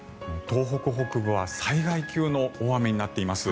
東北北部は災害級の大雨になっています。